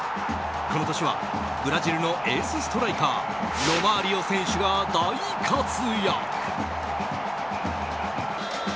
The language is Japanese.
この年はブラジルのエースストライカーロマーリオ選手が大活躍！